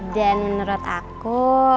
dan menurut aku